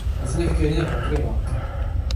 水の呼吸弐ノ型水車（にのかたみずぐるま）